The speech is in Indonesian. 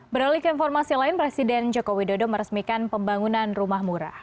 beralih ke informasi lain presiden joko widodo meresmikan pembangunan rumah murah